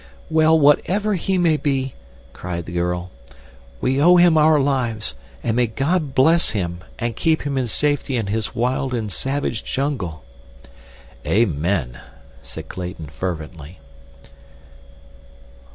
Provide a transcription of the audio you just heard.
"Well, whatever he may be," cried the girl, "we owe him our lives, and may God bless him and keep him in safety in his wild and savage jungle!" "Amen," said Clayton, fervently.